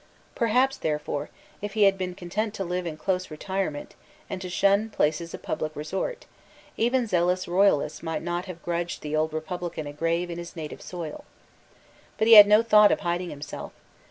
Perhaps, therefore, if he had been content to live in close retirement, and to shun places of public resort, even zealous Royalists might not have grudged the old Republican a grave in his native soil. But he had no thought of hiding himself.